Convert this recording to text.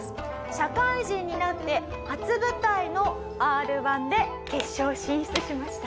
社会人になって初舞台のＲ−１で決勝進出しました。